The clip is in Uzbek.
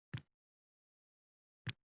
Hamma gapni otangiz eshitsin